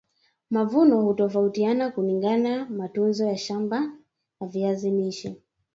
mavuno hutofautiana kulingana matunzo ya shamba la viazi lishe